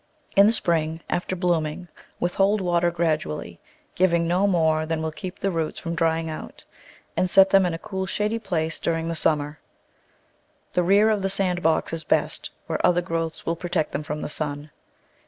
In the spring after blooming withhold water gradu ally, giving no more than will keep the roots from drying out, and set them in a cool, shady place during the summer — the rear of the sand box is best, where other growths will protect them from the sun.